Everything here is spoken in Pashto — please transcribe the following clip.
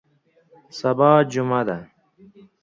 سبا جمعه ده